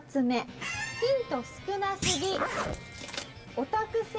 ヒント少なすぎ！